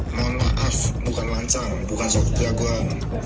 mohon maaf bukan lancar bukan soal kerja gue